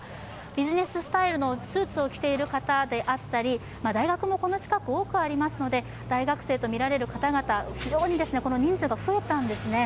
ビジネススタイルのスーツを着ている方であったり大学もこの近く、多くありますので大学生とみられる方々、非常に人数が増えたんですね。